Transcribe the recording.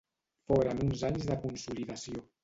Foren uns anys de consolidació.